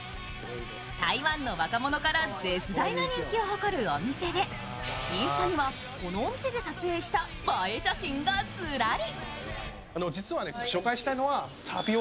台湾の若者から絶大な人気を誇るお店で、インスタにはこのお店で撮影した映え写真がずらり。